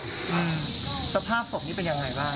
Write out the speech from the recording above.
อืมสภาพศพนี้เป็นอย่างไรบ้าง